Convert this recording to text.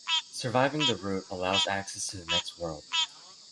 Surviving the route allows access to the next world.